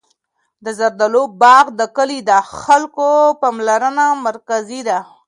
د زردالو باغ د کلي د خلکو د پاملرنې مرکز دی.